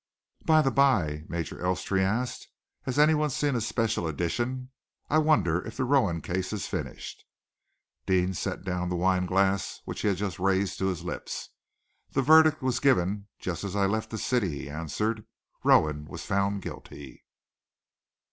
"By the bye," Major Elstree asked, "has anyone seen a special edition? I wonder if the Rowan case is finished." Deane set down the wineglass which he had just raised to his lips. "The verdict was given just as I left the city," he answered. "Rowan was found guilty!"